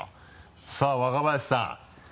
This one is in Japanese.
さぁ若林さん。